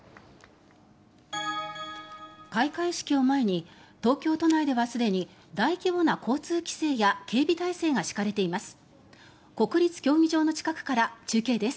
開会式を前に東京都内ではすでに大規模な交通規制や警備態勢が敷かれています。